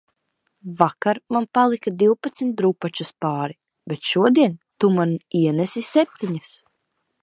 Vakar man palika divpadsmit drupačas pāri, bet šodien tu man ienesi septiņas